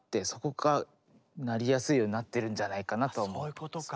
そういうことか。